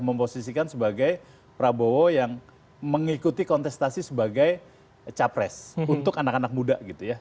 memposisikan sebagai prabowo yang mengikuti kontestasi sebagai capres untuk anak anak muda gitu ya